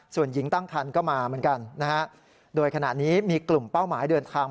ส่วนหญิงตั้งคันก็มาเหมือนกันนะฮะโดยขณะนี้มีกลุ่มเป้าหมายเดินทาง